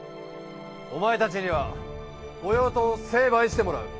お前たちには御用盗を成敗してもらう。